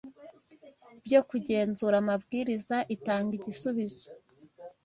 byo kugenzura amabwiriza itanga igisubizo